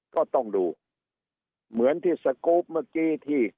ก็ต้องดูเหมือนที่สกรูปเมื่อกี้ที่